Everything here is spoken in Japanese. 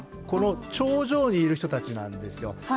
この頂上にいる人たちなんですよ。